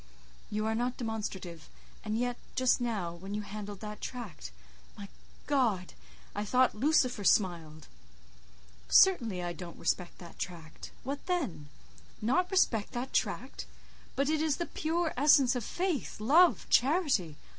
You are not demonstrative, and yet, just now—when you handled that tract—my God! I thought Lucifer smiled." "Certainly I don't respect that tract—what then?" "Not respect that tract? But it is the pure essence of faith, love, charity!